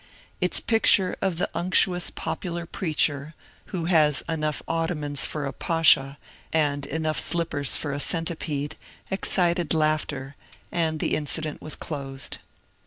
Its picture of the unctuous popular preacher, who ^* has enough ottomans for a Pasha and enough slippers for a centi pede," excited laughter, and the incident was closed.